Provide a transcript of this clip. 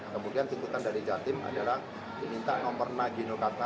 kemudian tuntutan dari jawa tim adalah meminta nomor nageno kata putra